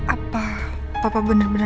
aku sudah mau vidika pribadi